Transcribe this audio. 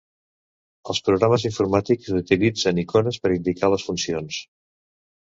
Els programes informàtics utilitzen icones per indicar les funcions.